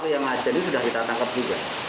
yang ada ini sudah kita tangkap juga